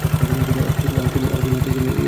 আমাকে মারতে এখানে এসেছিস, তাই-না?